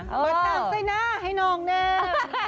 มันตามใส่หน้าให้น้องเนี่ย